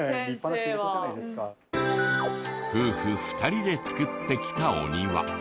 夫婦２人でつくってきたお庭。